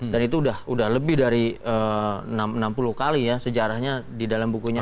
dan itu sudah lebih dari enam puluh kali ya sejarahnya di dalam bukunya